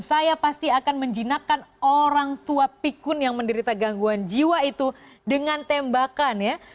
saya pasti akan menjinakkan orang tua pikun yang menderita gangguan jiwa itu dengan tembakan ya